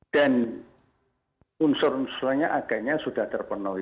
dan unsur unsurnya agaknya sudah terpenuhi